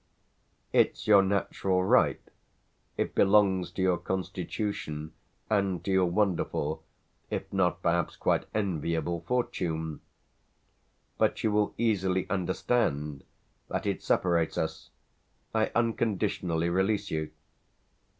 "It's your natural right; it belongs to your constitution and to your wonderful, if not perhaps quite enviable fortune. But you will easily understand that it separates us. I unconditionally release you."